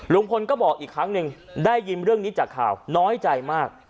ลุงพลก็บอกอีกครั้งหนึ่งได้ยินเรื่องนี้จากข่าวน้อยใจมาก